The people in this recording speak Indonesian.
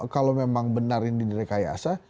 kalau memang benarin di nirekayasa